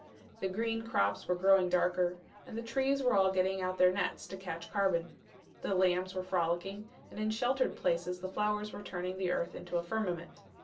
The green crops were growing darker, and the trees were all getting out their nets to catch carbon. The lambs were frolicking, and in sheltered places the flowers were turning the earth into a firmament.